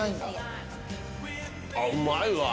うまいわ。